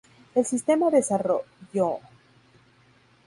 El sistema desarrolló.